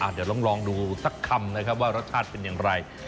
เดี๋ยวลองดูสักคำนะครับว่ารสชาติเป็นอย่างไร